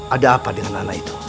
ada apa dengan anak itu